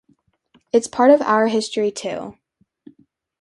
It's part of our history, too.